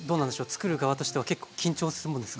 つくる側としては結構緊張するものですか？